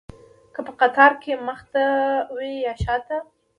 که په قطار کې مخته وي یا شاته.